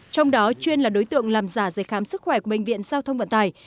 trong đó chuyên là đối tượng làm giả giấy khám sức khỏe của bệnh viện giao thông vận tải